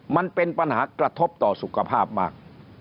มันเป็นปัญหากระทบต่อสุขภาพมาก